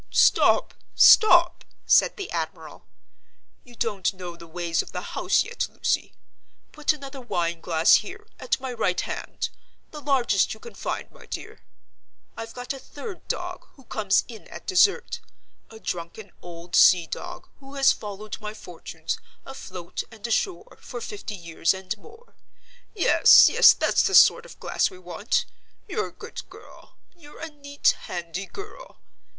"Stop, stop!" said the admiral; "you don't know the ways of the house yet, Lucy. Put another wine glass here, at my right hand—the largest you can find, my dear. I've got a third dog, who comes in at dessert—a drunken old sea dog who has followed my fortunes, afloat and ashore, for fifty years and more. Yes, yes, that's the sort of glass we want. You're a good girl—you're a neat, handy girl.